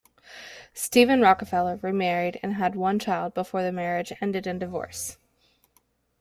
Steven Rockefeller remarried and had one child before the marriage ended in divorce.